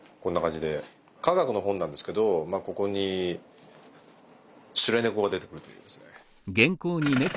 科学の本なんですけどここにシュレ猫が出てくるというですね。